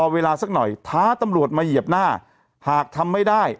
เวลาสักหน่อยท้าตำรวจมาเหยียบหน้าหากทำไม่ได้